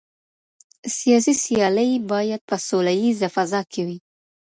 سياسي سيالي بايد په سوله ييزه فضا کي وي.